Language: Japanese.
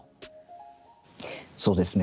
そうですね。